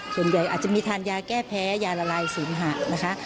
ส่วนใหญ่อาจจะมีทานยาแก้แพ้ยาละลายเสมหะนะคะ